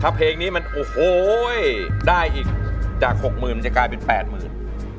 ถ้าเพลงนี้มันโอ้โหได้อีกจากหกหมื่นมันจะกลายเป็นแปดหมื่น